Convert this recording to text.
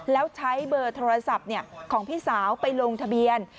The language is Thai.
แล้วใช้เบอร์โทรศัพท์ของพี่สาวไปลงทะเบียน